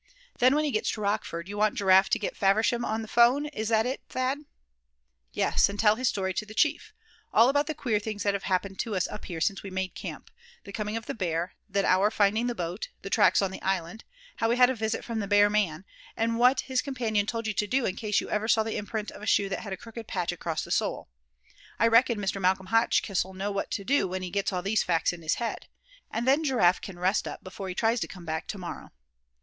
Then, when he gets to Rockford you want Giraffe to get Faversham the 'phone; is that it, Thad?" "Yes, and tell his story to the Chief all about the queer things that have happened to us up here since we made camp, the coming of the bear; then our finding the boat; the tracks on the island; how we had a visit from the bear man, and what his companion told you to do in case you ever saw the imprint of a shoe that had a crooked patch across the sole. I reckon Mr. Malcolm Hotchkiss'll know what to do when he gets all these facts in his head. And then Giraffe can rest up before he tries to come back to morrow."